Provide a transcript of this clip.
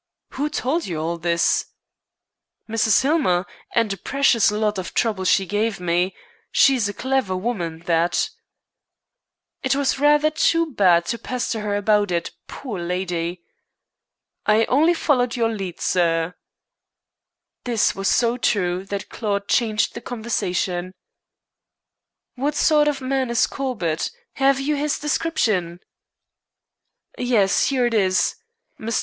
"Who told you all this?" "Mrs. Hillmer, and a precious lot of trouble she gave me. She is a clever woman that." "It was rather too bad to pester her about it, poor lady." "I only followed your lead, sir." This was so true that Claude changed the conversation. "What sort of man is Corbett? Have you his description?" "Yes. Here it is." Mr.